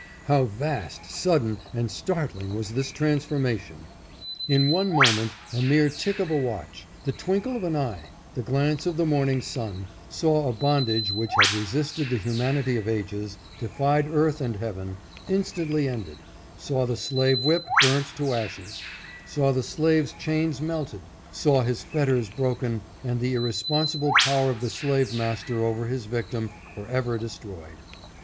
How vast, sudden, and startling was this transformation ! In one moment, a mere tick of a watch, the twinkle of an eye, the glance of the morning sun, saw a bondage which had resisted the humanity of ages, defied earth and heaven, instantly ended ; saw the slave whip burnt to ashes ; saw the slave's chains melted ; saw his fetters broken and the irresponsible power of the slave master over his victim forever destroyed.